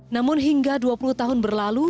namun hingga dua puluh tahun berlalu